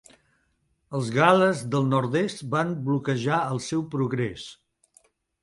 Els Gales del nord-est van bloquejar el seu progrés.